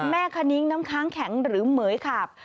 แม่คณิกน้ำค้างแข็งหรือเหมือยครับ